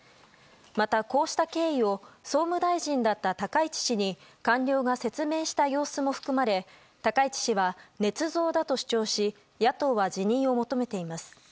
また、こうした経緯を総務大臣だった高市氏に官僚が説明した様子も含まれ高市氏は、ねつ造だと主張し野党は辞任を求めています。